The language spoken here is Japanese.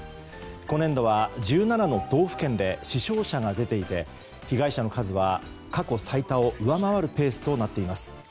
今年度は１７の道府県で死傷者が出ていて被害者の数は過去最多を上回るペースとなっています。